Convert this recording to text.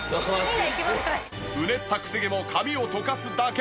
うねったクセ毛も髪をとかすだけ。